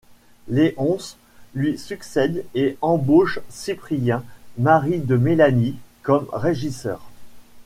Léonce lui succède et embauche Cyprien, mari de Mélanie, comme régisseur.